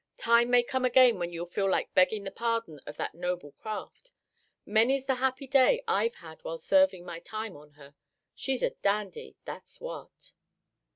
Time may come again when you'll feel like begging the pardon of that noble craft. Many's the happy day I've had while serving my time on her. She's a dandy, that's what."